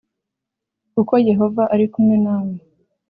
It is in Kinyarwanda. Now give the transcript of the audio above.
kuko Yehova ari kumwe nawe